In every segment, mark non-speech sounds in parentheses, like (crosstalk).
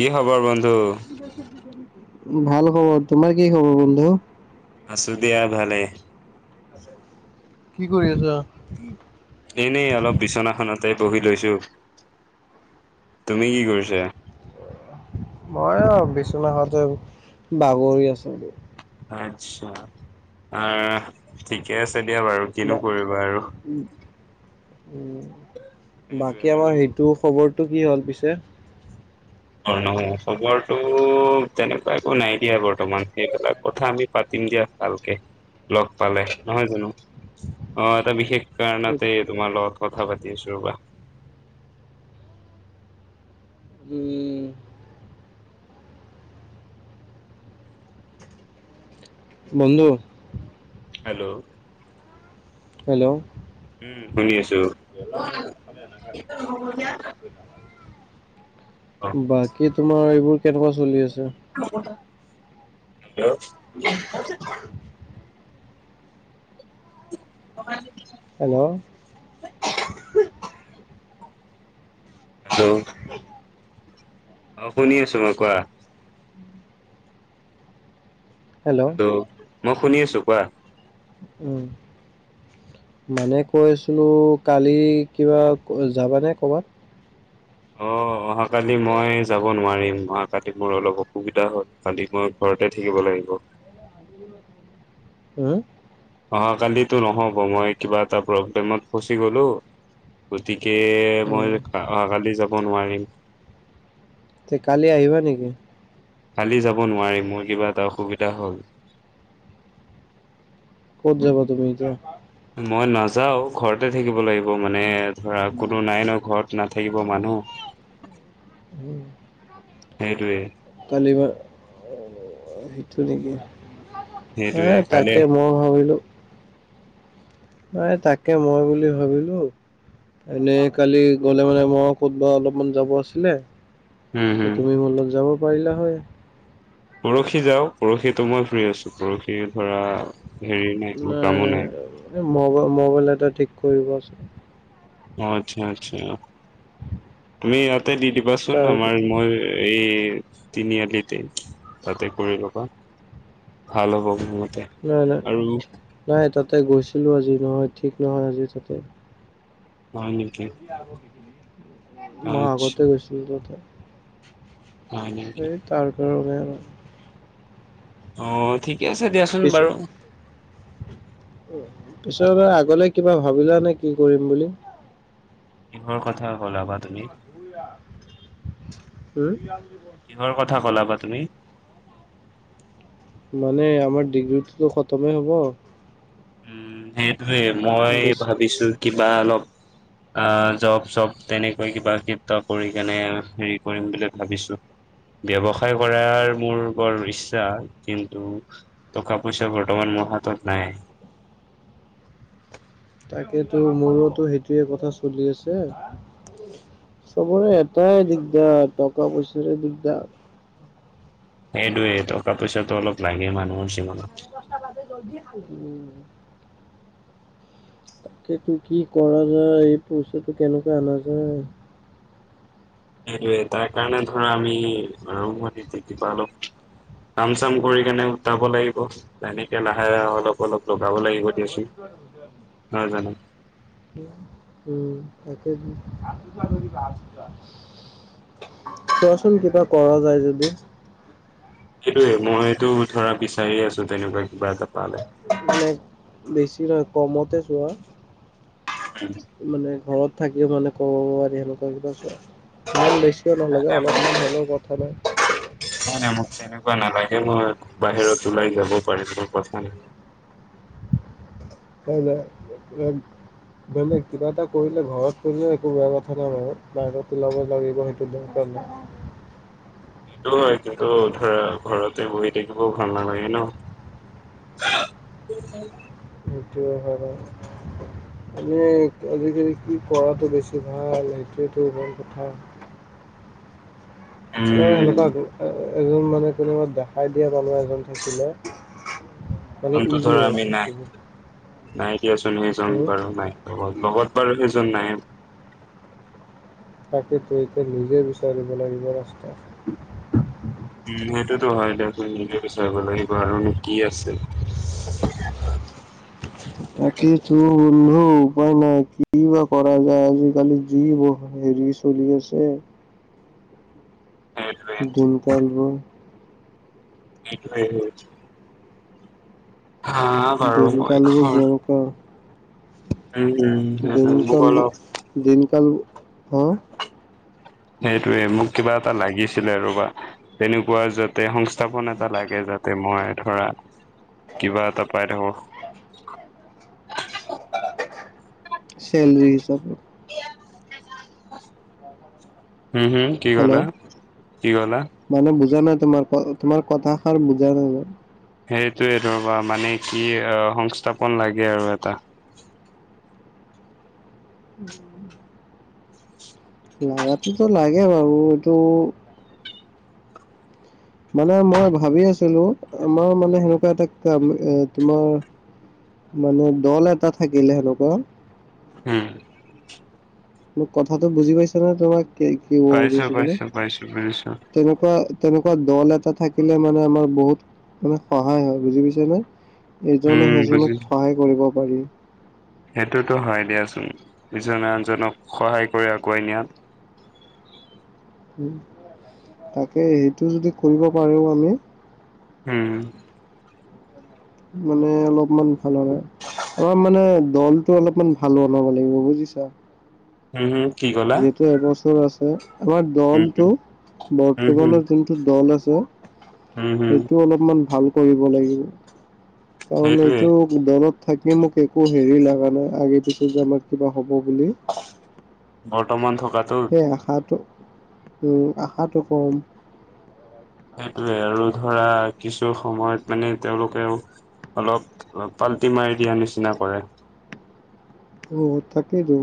কি খবৰ বন্ধু ভাল খবৰ তোমাৰ কি খবৰ বন্ধু আছো দিয়া ভালে কি কৰি আছা এনে অলপ বিচনাখনত। তে পঢ়ি লৈছো তুমি কি কৰিছা মই অ বিচনা হতে বাগৰি আছো আচ্ছা আ ঠিকে আছে দিয়া বাৰু বা কিনো কৰিবা আৰু উ সেইটোৱে বাকী আৰু আমাৰ সেইটো খবৰটো কি হ'ল পিছে অ নহ খবৰটো তেনেকুৱা একো নাই দিয়া বৰ্তমান সেইবিলাক কথা আমি পাতি দিয়া ভালকে লগ পালে নহয় জানো অ এটা বিশেষ উম কাৰণতে তোমাৰ লগত কথা পাতি আছো ৰবা উম বন্ধু হেল্ল' হেল্ল' উম শুনি আছো মেলা পৰা লাফালে ন গাম বাকী তোমাৰ এইবোৰ কেনেকোৱা চলি আছে (unintelligible) হেল্ল' (unintelligible) হেল্ল' হেল্ল' অ শুনি আছো মই কোৱা হেল্ল' মই শুনি আছো কোৱা উম মানে কৈছিলো কালি কিবা যাবানে ক'বাত অ অহাকালি মই যাব নোৱাৰিম অহাাকালি মোৰ অলপ অসুবিধা হ'ল কালি মই ঘ ততে থাকিব লাগিব (unintelligible) উম অহ কালিতো নহ'ব মই কিবা এটা প্ৰব্লেমত ফচি গলো গতিকে তাকে মই উম অহা কালি যাব নোৱাৰিম তে কালি আহিবা নেকি কালি যাব নোৱাৰি মোৰ কিবা এটা অসুবিধা হ'ল ক'ত যাব তুমি এতিয়া মই নাযাও ঘৰতে থাকিব লাগিব মানে ধৰা কোনো নাই ন ঘৰত নাথাকিব মানুহ উম উম সেইটোৱে কালি বা সেইটো নেকি সেইটোৱে হে কালি তাকে মই ভাবিলো নাই তাকে মই বুলি ভাবিলো এনেই কালি গলে মানে মই ক'তবা অলপমান যাব আছিলে উম ত হম তুমি মোৰ লগত যাব পাৰিলা হয় পৰহি যাও পৰহিটো মই ফ্ৰী আছো পৰহি ধৰা হেৰি মোৰ নাই কামো নাই মাই মোবাইল এটা ঠিক কৰিব আছে অ আচ্ছা আচ্ছা তুমি তাতে দি দিবাচোন তাৰ আমাৰ মই এই তিনিআলিতে তাতে কৰি লবা ভাল হ'ব মোৰ নাই নাই আৰু নাই তাতে গৈছিলো আজি নহয় ঠিক নহয় আজি তাতে। হয় নিকি? মই আগতে গৈছিলো ত হয় নেকি? ৰোক আৰু আহ ঠিকে আছে দিয়াচোন পিছ বাৰু পিছৰবাৰ আগলে কিবা ভাবিলা নে কি কৰিম বুলি কিহৰ কথা ক'লাবা তুমি? হুম! কিহৰ কথা কলাবা তুমি মানে আমাৰ ডিগ্ৰীটোতো খতমেই হ'ব উম সেইটোৱে মই বেছি ভাবিছো কিবা অলপ (unintelligible) আহ জব চব তেনেকৈ কিবা কিব কৰি কেনে হেৰি কৰিম বুলি ভাবিছো। ব্যৱসায় কৰাৰ মোৰ বৰ ইচ্ছা কিন্তু টকা পইচা বৰ্তমান হাতত নাই। তাকেতো মোৰোতো সেইটোৱে কথা চলি আছে চবৰে এটাই দিগদাৰ টকা- পইচাৰ দিগদাৰ। সেই দুয়ে এটকা পইচাটো অলপ লাগে মানুহৰ জীৱনত (unintelligible) তাকেতো কি কৰা যায় এই পইচাটো কেনেকৈ অনা যায় সেইটোৱে তাৰ কাৰণে ধৰা আমি আৰম্ভণিতে কিবা অলপ কাম চাম কৰি কেনে গোটাব লাগিব, তেনেকে লাহে -লাহে অলপ অলপ লগাব লাগিব। দিয়া চোন, নহয় জানো উম তাকে তো কোৱাচোন কিবা কৰা যায় যদি? সেইটোয়ে মইতো ধৰা বিচাৰি আছো তেনেকুৱা কিবা এটা। পালে মানে বেছি নহয় কমতে চোৱা মানে ঘৰত থাকিও মানে কমাব পাৰি সেনেকুৱা কিবা চোৱা ভাল লা কিয় নাই নালাগে নাই মোক অলপমান হ'লেও কথা নাই। এনেকুৱা নালাগে নহয় বাহিৰত ওলাই যাব পাৰিলেতো কথা নাই তাইলৈ (unintelligible) বেলেগ কিবা এটা কৰিলে ঘৰত কৰিলে একো বেয়া কথা নাই বাৰু বাহিৰ ওলাব লাগিব সেইটো (unintelligible) সেইটো হয় কিন্তু ধৰা ঘৰতে বহি থাকিবও ভাল নালাগে ন। (unintelligible) সেইটো হয় বাৰু এনে আজিকালি কি কৰাটো বেছি ভাল সেইটোৱেটো মেন কথা (unintelligible) অ উম এনেকুৱা গ এজন মানে কোনোবা দেখাই দিয়া মানু্হ এজন থাকিলে মানে অন্তটো ইজি ধৰা হয় আমি নাই বস্তুবোৰ নাই দিয়াচোন সেইজন উম বাৰু নাই লগত লগত বাৰু সেইজন নাই তাকেতো এতিয়া নিজে বিচাৰিব লাগিব ৰাস্তা উম সেইটোতো ভাবিলে নিজে বিচাৰিব লাগিব আৰু নো কি আছিল (unintelligible) তাকে তো বন্ধু উপায় নাই কি বা কৰা যায় আজিকালি যি ব চলি আছে। সেইটোৱে দিনকালবোৰ। এইটোয়েটো। মই দিনকালবোৰ ঘৰ যাবকা উম উম দিন সেইটোৱে মোক কাল অলপ দিনকাল হ সেইটোয়ে মোক কিবা এটা লাগিছিলে ৰবা, তেনেকুৱা যাতে সংস্থাপন এটা লাগে য তাতে মই ধৰা কিবা এটা পাই থাকো। (unintelligible) চেলৰি হিচাপে। হুম হুম কি হেল্ল' কলা কি কলা? মানে বুজা নাই তোমাৰ তোমাৰ কথাষাৰ বুজা নাই ন। সেইটোয়ে ৰবা মানে কি অ সংস্থাপন লাগে আৰু এটা। লাগাটোতো লাগে বাৰু এইটো মানে মই ভাবি আছিলো, আমাৰ মানে সেনেকুৱা এটা কাম এ তোমাৰ মানে দল এটা থাকিলে সেনেকুৱা। হুম। মোক কথাটো বুজি পাইছা নে তোমাক কি কব পাইছো বিচাৰিছো মানে, পাইছো পাইছো বুজিছো তেনেকুৱা তেনেকু দল এটা থাকিলে মানে আমাৰ বহুত মানে সহায় হয় বুজি পাইছা নহয়? ইজনে উম সেইজনক বুজিছো সহায় কৰিব পাৰি। ইজনে আনজনক সহায় কৰি আগুৱাই নিয়াত তাকে সেইটো যদি কৰিব পাৰেও আমি। হুম। মানে অলপমান ভাল হয় অ মানে দলটো অলপমান ভাল ওলাব লাগিব বুজিছা হু হু যিহেতু এবছৰ আছে আমাৰ উম দলটো উম উম হম বৰ্তমানৰ যোনটো দল আছে। উম হম সেইটো অলপমান ভাল কৰিব লাগিব কাৰণ সেইটোৱে এইটো দলত থাকি মোক একো হেৰি লগা নাই আগে পিছে যে আমাৰ কিবা হ'ব বুলি বৰ্তমান থকাটো সেই আশাটো আশাটো কম। সেইটোৱে আৰু ধৰা কিছু সময়ত মানে তেওঁলোকেও অলপ পাল্টি মাৰি দিয়া নিচিনা কৰে। অ তাকেইতো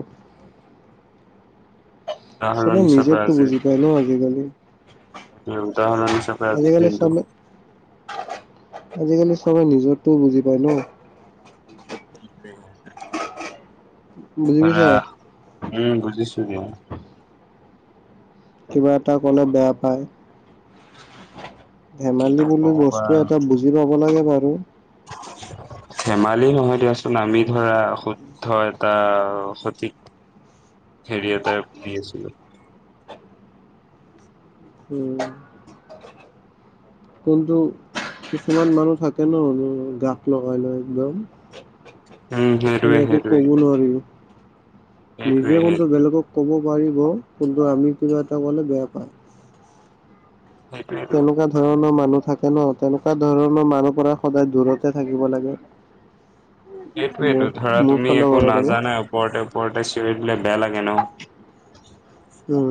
উদাহৰণ চবে হিচাপে নিজৰটো বুজি পায় ন আজিকালি। ত উদাহৰণ হিচাপে আজি আজিকালি দিনটো চবে আজিকালি চবে নিজৰটোও বুজি পায় ন ত বুজি পাৰা পাইছা উম বুজিছ জুনিয়ৰ কিবা এটা কলে বেয়া পায়। কি ধেমালি নকবা বুলি বস্তু আৰু এটা বুজি পাব লাগে বাৰু। ধেমালি নহয় দিয়াচোন আমি ধৰা শুদ্ধ এটা সঠিক হেৰি এটাৰ বীজ উম। কিন্তু কিছুমান মানুহ থাকে ন ম গাত লগাই লৈ একদম। উম মানে সেইটোৱে একো সেইটোৱে কব নোৱাৰি। সেইটোৱে নিজে সেই কিন্তু বেলেগক ক'ব। নোৱাৰিব কিন্তু আমি কিবা এটা কলে বেয়া পায়। সেইটোৱেটো তেনেকুৱা ধৰণৰ মানুহ থাকে ন তেনেকুৱা ধৰণৰ মানুহৰ পৰা সদায় দূৰতে থাকিব লাগে। মোৰ সেইটোয়টো ধৰা মোৰ তুমি ফালৰ একো পৰা মানে নাজানাই ওপৰতে ওপৰতে চিঞৰি দিলে বেয়া লাগে ন। (unintelligible) উম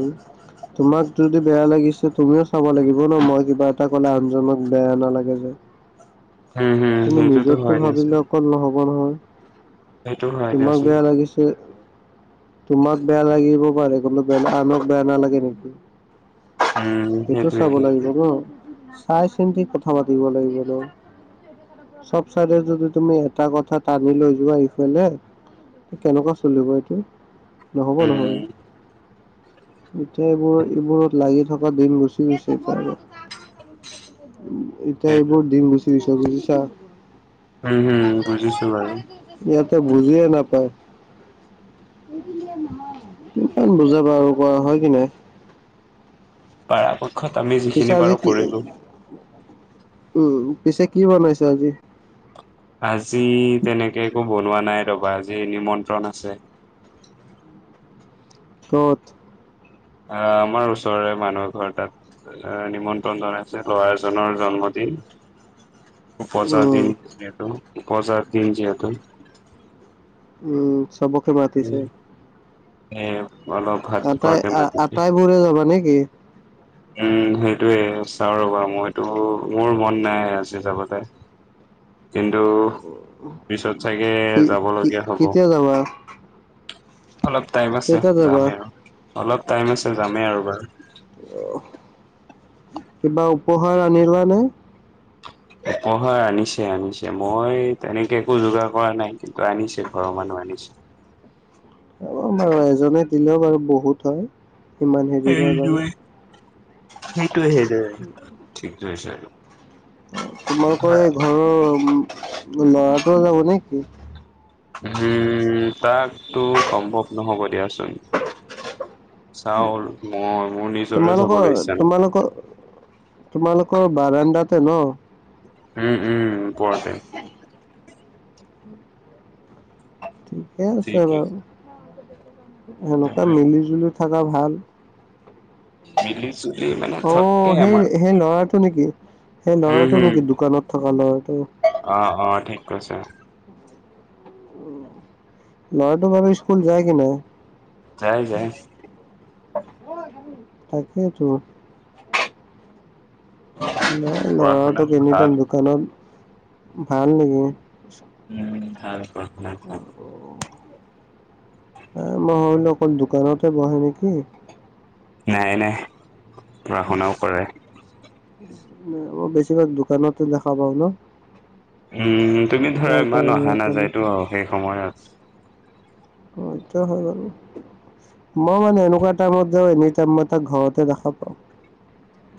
তোমাক যদি বেয়া লাগিছে তুমিও চাব লাগিব ন মই কিবা এটা ক'লে আনজনক। বেয়া নালাগে যে। উম হম তুমি সেইটোতো নিজৰটো হয় দিয়াচোন ভাবিলে অকল নহ'ব নহয়। সেইটো হয় তোমাক দিয়াচোন বেয়া লাগিছে। তোমাক বেয়া লাগিব পাৰে কোনো বে আনক বেয়া নালাগে নেকি। উম সেইটো সেইটোৱে চাব লাগিব সেইটোৱে ন। চাই চিন্তি কথা পাতিব লাগিব। চব চাৰে যদি তুমি এটা কথা টানি লৈ যোৱা সফালে। কেনেকুৱা চলিব এইটো নহ'ব নহয়। উম এতিয়া এইবোৰ এইবোৰত লাগি থকা দিন গুচি গৈছে এতিয়া আৰু এতিয়া সেইটো এইবোৰ দিন গুচি গৈছ বুজিছা। উম হম বুজিছো বাৰু। ইয়াতে বুজিয়ে নাপায়। কিমান বুজাব আৰু কৰা হয় কি নাই। পৰাপক্ষত আমি পিছে যিখিনি আজি পাৰো কি কৰিলোঁ। উম পিছে কি বনাইছে আজি। আজি তেনেকে একো বনোৱা নাই ৰবা আজি নিমন্ত্ৰণ আছে। উ (unintelligible) কত। আহ আমাৰ ওচৰৰেৰে মানুহ ঘৰ তাত আহ নিমন্ত্ৰণ জনাইছে ল'ৰা এজনৰ জন্ম। উপজাৰ উম, দিন যিহেতু উপজাৰ দিন যিহেতু। উম চবকে মাতিছে। এ অলপ ভাত আটাই কাক আ- মাতিছে। আটাইবোৰে যাবা নেকি? উম সেইটোৱে চাওঁ ৰ বাৰু মইতো মোৰ মন নাই আচাবতে। (unintelligible) পিছত চাগে কি যাব কি লগীয়া হ'ব কেতিয়া যাবা। অলপ টাইম আছে কেইটাত যাবা? যামেই আৰু অলপ টাইম আছে যামেই আৰু বাৰু। কিবা উপহাৰ আনিলা নে। অহাৰ আনিছে আনিছে মই তেনেকে একো যোগাৰ কৰা নাই। কিন্তু আনিছে ঘৰৰ মানুহ আনিছে। অ বাৰু এজনে দিলেও বাৰু বহুত হয়। ইমান হেৰি নাই বাৰু। সেইোৱে সেইটোৱে সেইজয়ে ঠিক হৈছে। তোমালোকৰ এই ঘৰৰ লৰাটো যাব নেকি। উম তাকতো সম্ভৱ নহ'ব দিয়াচোন। চাওল মই মোৰ নিজৰে তোমালোকৰ যাবলৈ ইচ্ছা নাই। তোমালোকৰ তোমালোকৰ বাৰাণ্ডাতে ন। উম উম কোৱাতে। ঠিকে আছে ঠিকে বাৰু। সেনেকুৱা সেইটোৱে মিলি জুলি থকা ভাল। মিলি জুলি মানে অ থাকে সেই আমাৰ। সেই ল'ৰা। নেকি সেই উম, ল'ৰাটো হুম, নেকি দোকানত থকা ল'ৰাটো। অ অ ঠিক কৈছা। ল'ৰাটো ভাবো স্কুল যায় কি নাই। যাই যাই। তাকেইতো। পঢ়া লৰাটো শুনাত কিনি ভাল। থম দোকানত ভাল নেকি। উম ভাল ভ ভাল ভাল। আহ মই হলো অকল দোকানতে বহে নেকি। নাই নাই পঢ়া শুনাও কৰে। মই বেছিভাগ দোকানতে দেখা পাওঁ ন। উম তুমি ধৰা তাৰ ইমান কাৰণে অহা ক'লো। নাযায়তো আৰু সেই সময়ত। অ এইটোৱে হয় বাৰু মই মানে এনেকুৱা টাইমত যাওঁ এনি টাইম তাক ঘৰতে দেখা পাওঁ।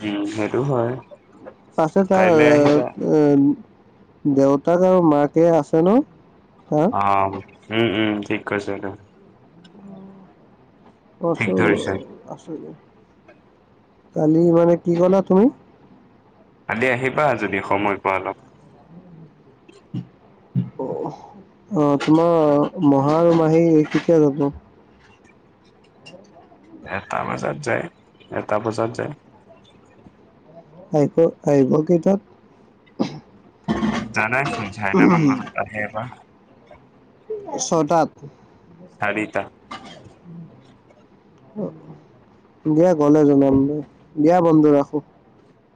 উম সেইটো হয়। তাছে তাই কাইলৈ আহিবা। দেউতাক আৰু মাকে আছে ন। তাৰ? অ উম উম ঠিক কৈছেটো। ঠিক কছো ধৰিছা। আছো। কালি মানে কি ক'লা তুমি? কালি আহিবা যদি সময় পোৱা অলপ। (unintelligible) অহ অ তোমাৰ মহা আৰু মাহী কেতিয়া যাব? এটা বজাত যায় এটা বজাত যায়। আহিব আহিব কেইটাত। জানাই ছোন ছাৰিটা মান বজাত আহে এবা ছটাত। চাৰিতা। দিয়া গলে জনাম দে দিয়া বন্ধু ৰাখো।